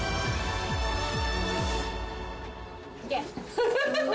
・フフフフ。